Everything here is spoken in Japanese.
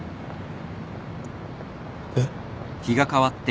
えっ？